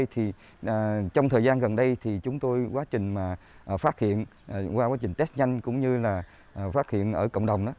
trong thời gian gần đây thì chúng tôi quá trình mà phát hiện qua quá trình test nhanh cũng như là phát hiện ở cộng đồng